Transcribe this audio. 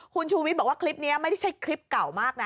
คุณชูวิทย์บอกว่าคลิปนี้ไม่ใช่คลิปเก่ามากนะ